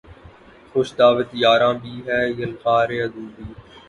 خوش دعوت یاراں بھی ہے یلغار عدو بھی